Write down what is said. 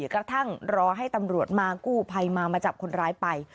กระทั่งรอให้ตำรวจมากู้ภัยมามาจับคนร้ายไป